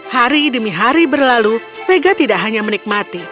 hari demi hari berlalu vega tidak hanya menikmati